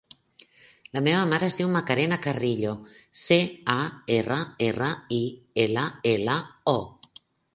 La meva mare es diu Macarena Carrillo: ce, a, erra, erra, i, ela, ela, o.